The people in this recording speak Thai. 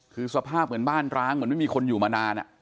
คือสภาพเหมือนบ้านร้างเหมือนไม่มีคนอยู่มานาน